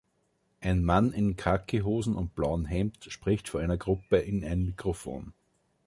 Ein Mann in Khakihosen und blauem Hemd spricht vor einer Gruppe in ein Mikrofon